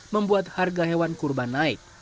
membuat harga hewan kurban naik